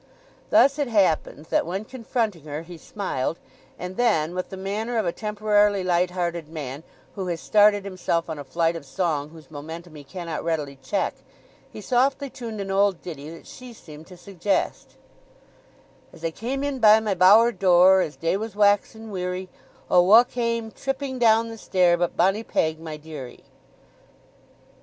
Thus it happened that when confronting her he smiled; and then, with the manner of a temporarily light hearted man, who has started himself on a flight of song whose momentum he cannot readily check, he softly tuned an old ditty that she seemed to suggest— "As I came in by my bower door, As day was waxin' wearie, Oh wha came tripping down the stair But bonnie Peg my dearie."